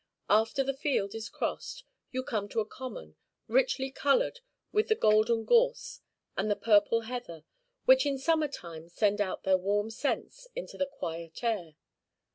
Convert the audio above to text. After the field is crossed, you come to a common, richly colored with the golden gorse and the purple heather, which in summer time send out their warm scents into the quiet air.